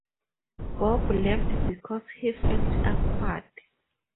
Bob left because he felt awkward.